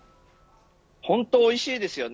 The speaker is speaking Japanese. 本当においしいですよね。